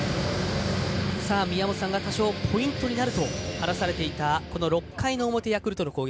宮本さんが多少ポイントになると話されていた６回の表ヤクルトの攻撃。